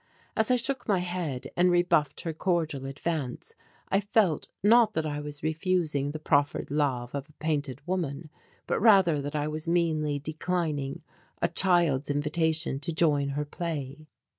As I shook my head and rebuffed her cordial advance I felt, not that I was refusing the proffered love of a painted woman, but rather that I was meanly declining a child's invitation to join her play.